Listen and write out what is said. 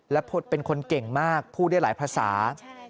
และเป็นคนเก่งมากพูดได้หลายภาษา